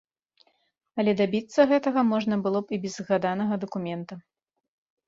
Але дабіцца гэтага можна было б і без згаданага дакумента.